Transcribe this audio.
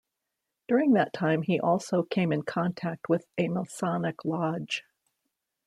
During that time he also came in contact with a Masonic lodge.